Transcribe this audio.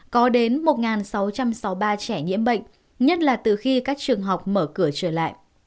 có đến một sáu trăm sáu mươi ba trẻ nhiễm bệnh nhất là từ khi các trường học mở cửa trở lại